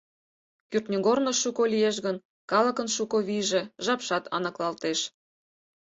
Кӱртньыгорно шуко лиеш гын, калыкын шуко вийже, жапшат аныклалтеш.